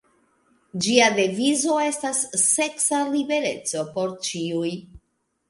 Ĝia devizo estas "seksa libereco por ĉiuj".